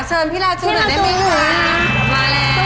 ชิกเลยสวัสดีค่า